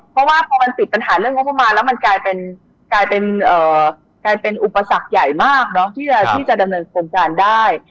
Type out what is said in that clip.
เพราะว่าพอมันติดปัญหาเรื่องงบประมาณแล้วมันกลายเป็นกลายเป็นอุปสรรคใหญ่มากที่จะดำเนินโครงการได้